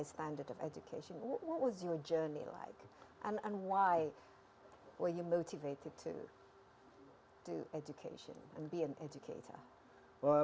kisah kehidupannya sebagai individu otistik